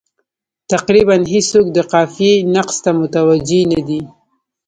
تقریبا هېڅوک د قافیې نقص ته متوجه نه دي.